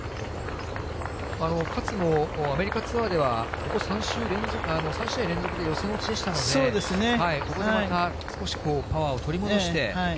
勝もアメリカツアーでは、ここ３試合連続で予選落ちでしたので、ここでまた、少しパワーを取り戻して。